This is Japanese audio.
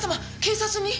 警察に！